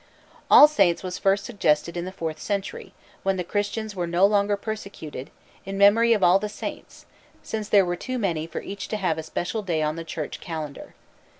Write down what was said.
All Saints' was first suggested in the fourth century, when the Christians were no longer persecuted, in memory of all the saints, since there were too many for each to have a special day on the church calendar.